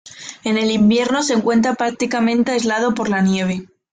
En el invierno se encuentra prácticamente aislado por la nieve.